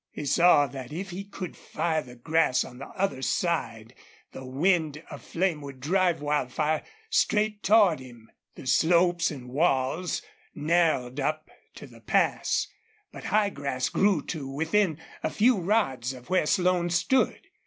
He saw that if he could fire the grass on the other side the wind of flame would drive Wildfire straight toward him. The slopes and walls narrowed up to the pass, but high grass grew to within a few rods of where Slone stood.